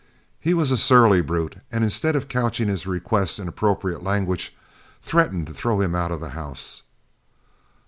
He was a surly brute, and instead of couching his request in appropriate language, threatened to throw him out of the house.